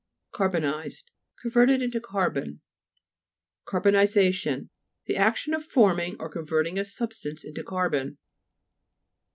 CAR'BOJT ISEB Converted into carbon. CARBONTSA'TION The action of forming or converting a substance into carbon.